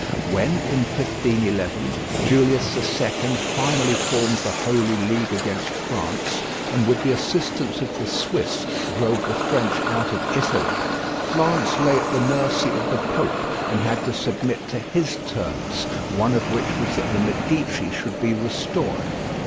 When, in 1511, Julius II finally formed the Holy League against France, and with the assistance of the Swiss drove the French out of Italy, Florence lay at the mercy of the Pope, and had to submit to his terms, one of which was that the Medici should be restored.